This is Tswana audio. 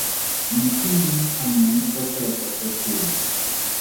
Mosimane a mmontsha seatla sa tshwene.